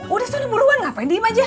udah sudah buruan ngapain diem aja